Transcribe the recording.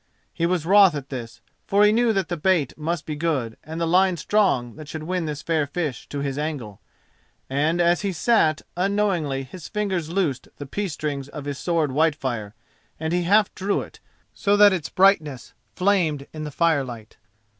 He was wroth at this, for he knew that the bait must be good and the line strong that should win this fair fish to his angle, and as he sat, unknowingly his fingers loosed the peace strings of his sword Whitefire, and he half drew it, so that its brightness flamed in the firelight.